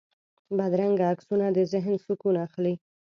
بدرنګه عکسونه د ذهن سکون اخلي